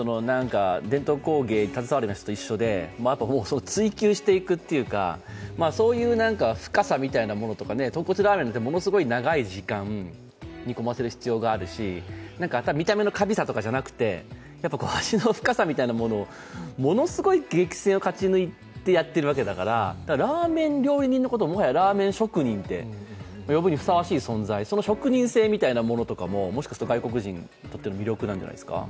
まさにそういうことで追求していくというか、そういう深さみたいなものとかとんこつラーメンだとものすごい時間煮込ませる必要があるし見た目の華美さじゃなくて、コシの深さみたいなものをものすごい激戦を勝ち抜いてやってるわけだから、ラーメン料理人のことをもはやラーメン職人って呼ぶにふさわしい存在、その職人性みたいなものも、もしかすると外国人にとって魅力なんじゃないですか。